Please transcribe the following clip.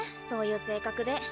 そういう性格で。